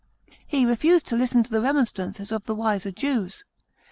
f He refused to listen to the remonstrances of the wiser Jews.